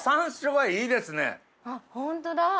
あっホントだ！